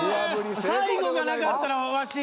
最後のがなかったらワシ。